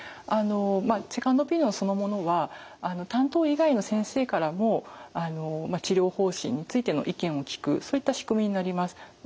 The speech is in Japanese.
セカンドオピニオンそのものは担当以外の先生からも治療方針についての意見を聞くそういった仕組みになります。